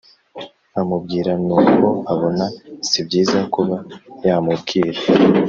amubwira nuko abona sibyiza kuba yamubwira